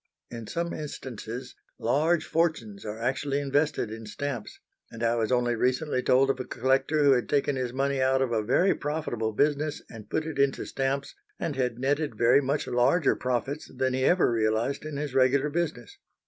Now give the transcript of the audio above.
In some instances large fortunes are actually invested in stamps, and I was only recently told of a collector who had taken his money out of a very profitable business and put it into stamps, and had netted very much larger profits than he ever realised in his regular business.